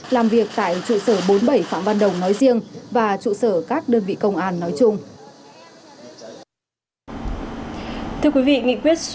làm việc tại trụ sở bốn mươi bảy phạm văn đồng nói riêng và trụ sở các đơn vị công an nói chung